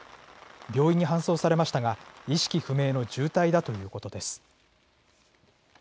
病院に搬送されましたが、意識不明の重体だということです。